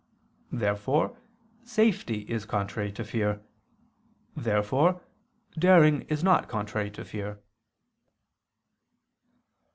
Therefore safety is contrary to fear. Therefore daring is not contrary to fear.